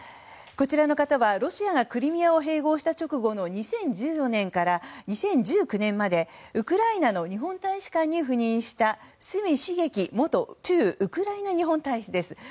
こちらの方はロシアがクリミアを併合した直後の２０１４年から２０１９年までウクライナの日本大使館に赴任した角茂樹元駐ウクライナ日本大使です。